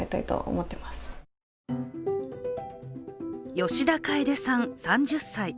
吉田楓さん、３０歳。